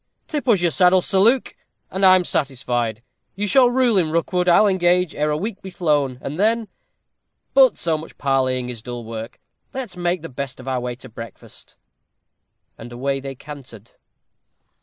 Tip us your daddle, Sir Luke, and I am satisfied. You shall rule in Rookwood, I'll engage, ere a week be flown; and then But so much parleying is dull work; let's make the best of our way to breakfast." And away they cantered.